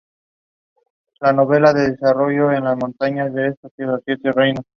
El Tribunal Superior de Western Cape falló posteriormente en su contra.